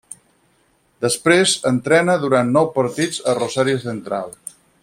Després entrena durant nou partits a Rosario Central.